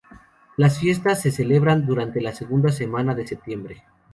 Las fiestas se celebran durante la segunda semana de septiembre.